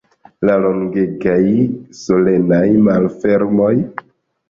La longegaj solenaj malfermoj?